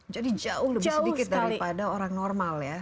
jadi jauh lebih sedikit daripada orang normal ya